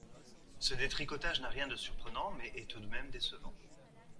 Ce détricotage n’a rien de surprenant, mais est tout de même décevant.